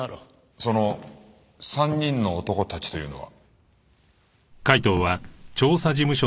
その３人の男たちというのは？